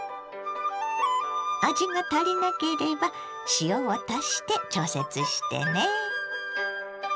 味が足りなければ塩を足して調節してね。